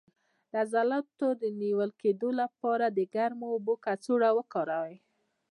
د عضلاتو د نیول کیدو لپاره د ګرمو اوبو کڅوړه وکاروئ